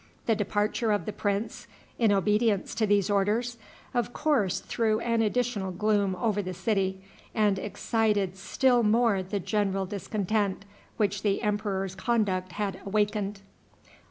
The departure of the prince, in obedience to these orders, of course threw an additional gloom over the city, and excited still more the general discontent which the emperor's conduct had awakened.